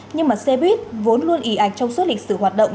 nhưng mà xe buýt vốn luôn ý ảnh trong suốt lịch sử hoạt động